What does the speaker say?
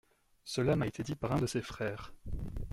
Cela m’a été dit par un de ses frères.